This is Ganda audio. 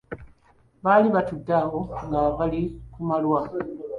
Baali batudde awo nga bali ku malwa.